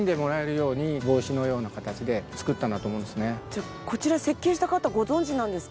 じゃあこちら設計した方ご存じなんですか？